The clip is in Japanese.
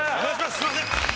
すいません！